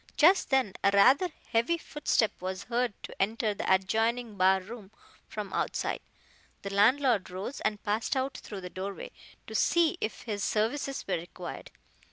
Just then a rather heavy footstep was heard to enter the adjoining bar room from outside. The landlord rose and passed out through the doorway, to see if his services were required.